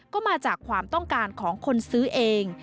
ก็มาจากความต้องการของคนซื้อเอง